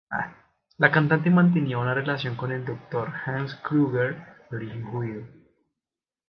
La cantante mantenía una relación con el doctor Hans Krüger de origen judío.